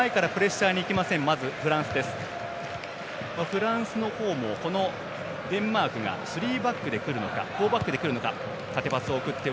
フランスの方も、デンマークがスリーバックでくるのかフォーバックでくるのか。